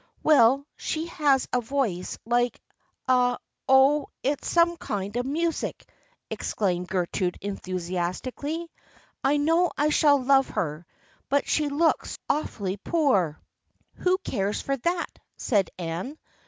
Well, she has a voice like a — oh, it's like some kind of music !" exclaimed THE FRIENDSHIP OF ANNE 25 Gertrude enthusiastically. " I know I shall love her. But she looks awfully poor." " Who cares for that? " said Anne.